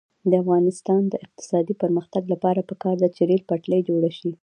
د افغانستان د اقتصادي پرمختګ لپاره پکار ده چې ریل پټلۍ جوړه شي.